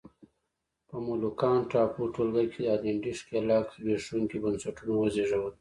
په مولوکان ټاپو ټولګه کې هالنډي ښکېلاک زبېښونکي بنسټونه وزېږول.